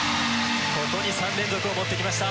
ここに３連続を持ってきました。